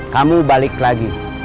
kamu balik lagi